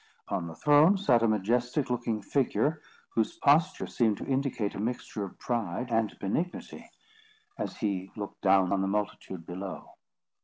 On the throne sat a majestic looking figure, whose posture seemed to indicate a mixture of pride and benignity, as he looked down on the multitude below.